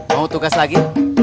mau tugas lagi